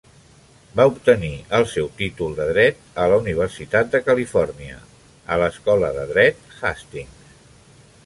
Va obtenir el seu títol de Dret a la Universitat de Califòrnia, a l'Escola de Dret Hastings.